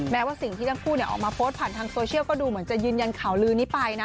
ว่าสิ่งที่ทั้งคู่ออกมาโพสต์ผ่านทางโซเชียลก็ดูเหมือนจะยืนยันข่าวลือนี้ไปนะ